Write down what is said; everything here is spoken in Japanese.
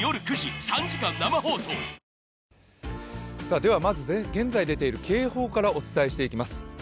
ではまず現在出ている警報からお伝えしていきます。